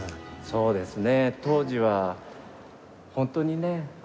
そうですね。